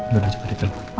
ya udah coba di telepon